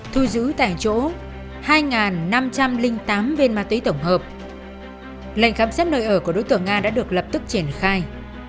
thual dữ tại chỗ hai nghìn năm trăm linh tám vên ma túy tổng hợp lệnh khám xét nơi ở của đối tượng nga đã được lập tức triển khai